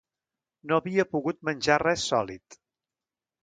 No havia pogut menjar res sòlid.